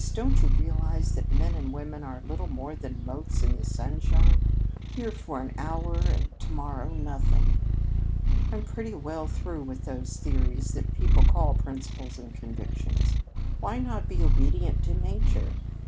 Don't you realize that men and women are little more than motes in the sunshine, here for an hour and to morrow nothing! I'm pretty well through with those theories that people call principles and convictions. Why not be obedient to Nature?